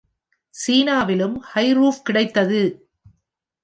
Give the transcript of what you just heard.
சீனாவிலும் high roof கிடைத்தது.